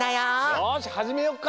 よしはじめようか。